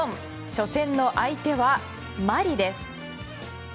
初戦の相手はマリです。